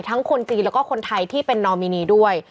ทั้งคนจีนและคนไทยที่เป็นนอมินีด้วย